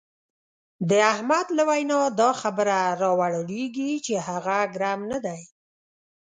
د احمد له وینا دا خبره را ولاړېږي چې هغه ګرم نه دی.